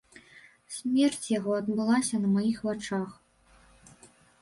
Смерць яго адбылася на маіх вачах.